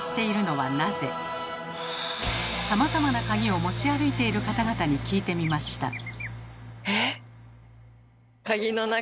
さまざまな鍵を持ち歩いている方々に聞いてみました。